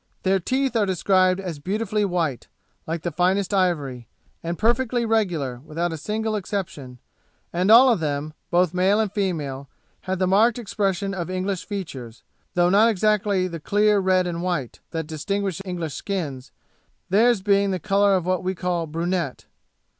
Their teeth are described as beautifully white, like the finest ivory, and perfectly regular, without a single exception; and all of them, both male and female, had the marked expression of English features, though not exactly the clear red and white, that distinguish English skins, theirs being the colour of what we call brunette.